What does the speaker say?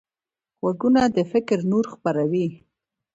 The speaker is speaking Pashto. غوږونه د فکر نور خپروي